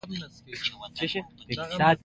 زه فکر کوم چې موږ بايد له دې ځای څخه ولاړ شو.